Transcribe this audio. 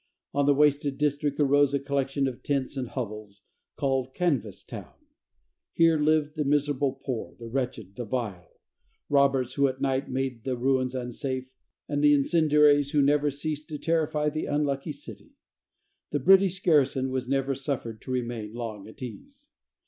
On the wasted district arose a collection of tents and hovels, called "Canvas Town." Here lived the miserable poor, the wretched, the vile; robbers who at night made the ruins unsafe, and incendiaries who never ceased to terrify the unlucky city. The British garrison was never suffered to remain long at ease.